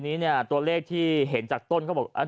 ทีนี้ตัวเลขที่เห็นจากต้นก็บอก